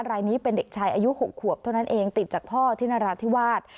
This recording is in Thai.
รายนี้เป็นเด็กชายอายุ๖ขวบเท่านั้นเองติดจากพ่อที่นราธิวาส